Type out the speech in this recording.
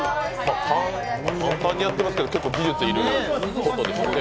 簡単にやってますけど結構、技術いることですよね。